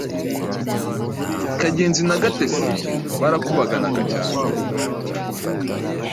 Kagenzi na Gatesi barakubagana cyane